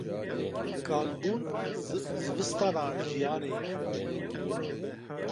Kalbûn, zivistana jiyanê ye.